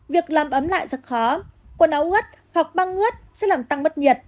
việc làm ấm lại rất khó quần áo ướt hoặc băng ngứt sẽ làm tăng mất nhiệt